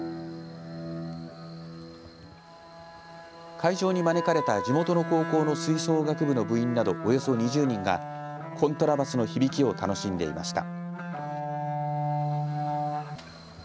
会場に招かれた地元の高校の吹奏楽部の部員などおよそ２０人がコントラバスの響きを楽しんでいました。